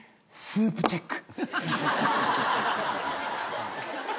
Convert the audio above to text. スープチェック